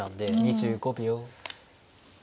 ２５秒。